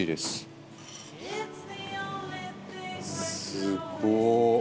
すごっ。